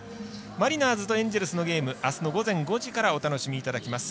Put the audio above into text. マリナーズとエンジェルスのゲームあすの午前５時からお伝えします。